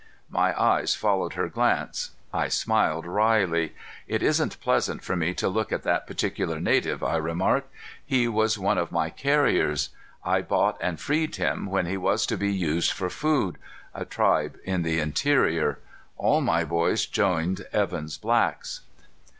My eyes followed her glance. I smiled wryly. "It isn't pleasant for me to look at that particular native," I remarked. "He was one of my carriers. I bought and freed him when he was to be used for food a tribe in the interior. All my boys joined Evan's blacks."